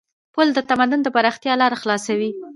پل د تمدن د پراختیا لار خلاصوي.